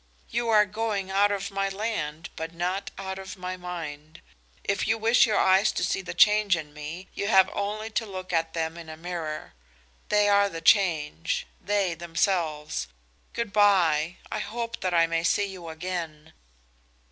"You are going out of my land, but not out of my mind. If you wish your eyes to see the change in me, you have only to look at them in a mirror. They are the change they themselves! Goodby! I hope that I may see you again."